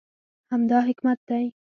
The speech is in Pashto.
همدا حکمت دی.